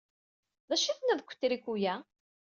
D acu ay tenniḍ deg wetriku-a?